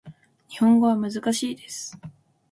日本語は難しいです